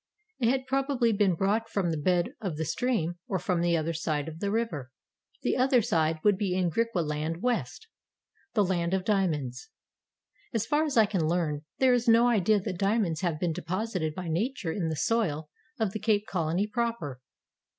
It had probably been brought from the bed of the stream or from the other side of the river. The "other side" would be in Griqualand West, the land of diamonds. As far as I can learn, there is no idea that diamonds have been deposited by nature in the soil of the Cape Colony proper.